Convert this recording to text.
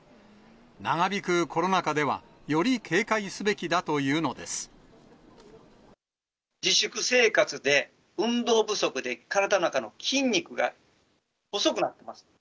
長引くコロナ禍では、自粛生活で、運動不足で体の中の筋肉が細くなっています。